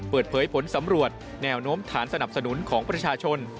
เปิดเผยผลสำรวจแนวโน้มฐานสนับสนุนของประชาชน